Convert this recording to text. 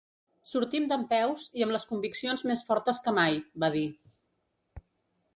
“Sortim dempeus i amb les conviccions més fortes que mai”, va dir.